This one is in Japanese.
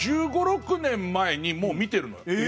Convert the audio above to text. １５１６年前にもう見てるのよ。